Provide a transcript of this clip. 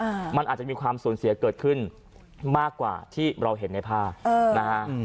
อ่ามันอาจจะมีความสูญเสียเกิดขึ้นมากกว่าที่เราเห็นในภาพเออนะฮะอืม